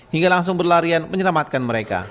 hingga langsung berlarian menyelamatkan mereka